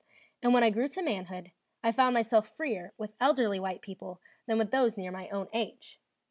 And when I grew to manhood, I found myself freer with elderly white people than with those near my own age.